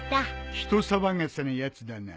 人騒がせなやつだな。